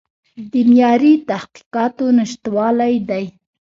د معیاري تحقیقاتو نشتوالی دی.